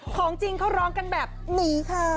ของจริงเขาร้องกันแบบนี้ค่ะ